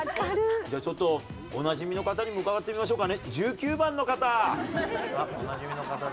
じゃあちょっとお隣１８番の方にも聞いてみましょうかね。